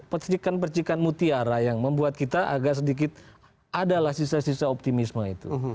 percikan percikan mutiara yang membuat kita agak sedikit adalah sisa sisa optimisme itu